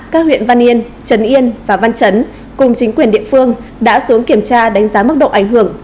các huyện văn yên trấn yên và văn chấn cùng chính quyền địa phương đã xuống kiểm tra đánh giá mức độ ảnh hưởng